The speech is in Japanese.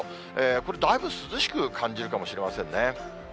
これ、だいぶ涼しく感じるかもしれませんね。